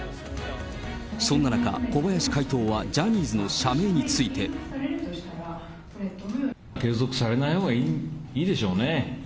そんな中、小林会頭は、ジャニーズの社名について。継続されないほうがいいでしょうね。